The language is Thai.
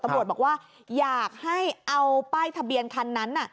บอกว่าอยากให้เอาป้ายทะเบียนคันนั้น